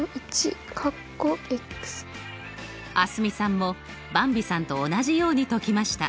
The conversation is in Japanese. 蒼澄さんもばんびさんと同じように解きました。